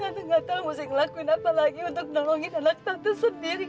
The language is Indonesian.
tante gak tahu harus ngelakuin apa lagi untuk menolongin anak tante sendiri